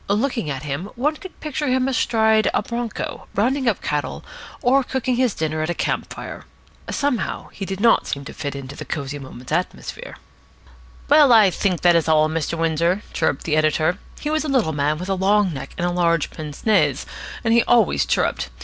Looking at him, one could picture him astride of a bronco, rounding up cattle, or cooking his dinner at a camp fire. Somehow he did not seem to fit into the Cosy Moments atmosphere. "Well, I think that that is all, Mr. Windsor," chirruped the editor. He was a little man with a long neck and large pince nez, and he always chirruped.